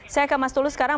saya ke mas tulus sekarang